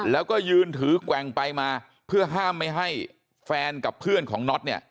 แล้วก็ยืนถือแกว่งไปมาเพื่อห้ามไม่ให้แฟนกับเพื่อนของน็อตเนี่ย